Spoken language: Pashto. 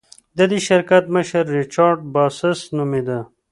د دې شرکت مشر ریچارډ باسس نومېده.